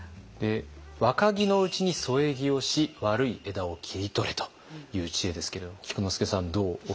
「若木のうちに添え木をし悪い枝を切り取れ」という知恵ですけれども菊之助さんどうお聞きになりました？